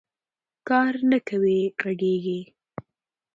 کار نه کوې غږېږې